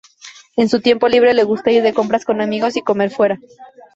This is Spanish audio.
En su tiempo libre, le gusta ir de compras con amigos y comer fuera.